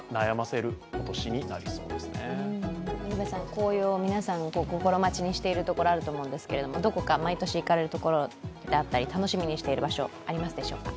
紅葉を皆さん、心待ちにしているところがあると思うんですけどどこか毎年行かれるところだったり、楽しみにしているところはあるでしょうか？